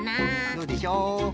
どうでしょう？